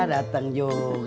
hah dateng juga tuh kopi